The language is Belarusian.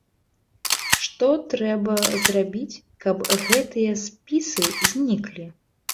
Што трэба зрабіць, каб гэтыя спісы зніклі?